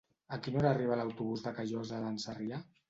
A quina hora arriba l'autobús de Callosa d'en Sarrià?